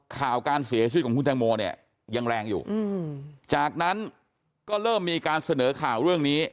ข่าวการเสียชีวิตของคุณแตงโมเนี่ยยังแรงอยู่จากนั้นก็เริ่มมีการเสนอข่าวเรื่องนี้